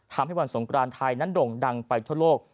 ทำให้วันสงกรานไทยนั้นโด่งดังไปทั่วโลก